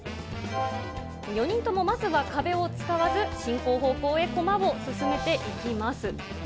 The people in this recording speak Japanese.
４人ともまずは壁を使わず進行方向へコマを進めていきます。